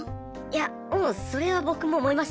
いやもうそれは僕も思いますよ。